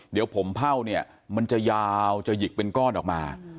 เดี๋ยวผมเผ่าเนี่ยมันจะยาวจะหยิกเป็นก้อนออกมา